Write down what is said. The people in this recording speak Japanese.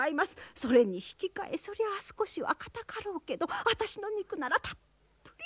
それに引き換えそりゃあ少しはかたかろうけど私の肉ならたっぷりあります。